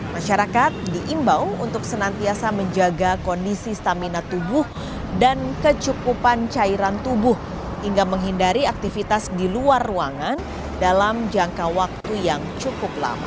masyarakat diimbau untuk senantiasa menjaga kondisi stamina tubuh dan kecukupan cairan tubuh hingga menghindari aktivitas di luar ruangan dalam jangka waktu yang cukup lama